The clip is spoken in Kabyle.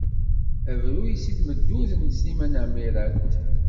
Abruy seg tmeddurt n Sliman Ɛmirat.